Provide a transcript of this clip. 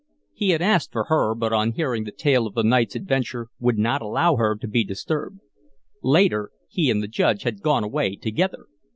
He had asked for her, but on hearing the tale of the night's adventure would not allow her to be disturbed. Later, he and the Judge had gone away together.